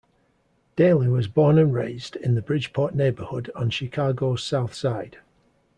Daley was born and raised in the Bridgeport neighborhood on Chicago's South Side.